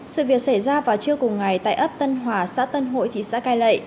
sự việc xảy ra vào trưa cùng ngày tại ấp tân hòa xã tân hội thị xã cai lệ